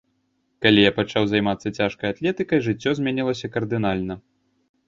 Калі я пачаў займацца цяжкай атлетыкай, жыццё змянілася кардынальна.